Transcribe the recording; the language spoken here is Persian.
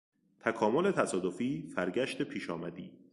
تکامل تصادفی، فرگشت پیشامدی